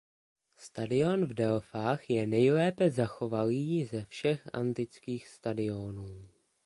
Stadion v Delfách je nejlépe zachovalý ze všech antických stadionů.